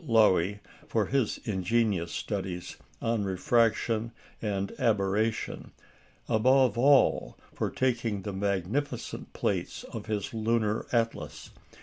Loewy for his ingenious studies on refraction and aberration above all, for taking the magnificent plates of his lunar atlas.